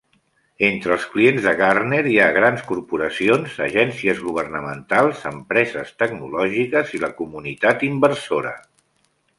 Entre els clients de Gartner hi ha grans corporacions, agències governamentals, empreses tecnològiques i la comunitat inversora.